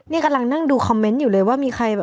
นี่กำลังนั่งดูคอมเมนต์อยู่เลยว่ามีใคร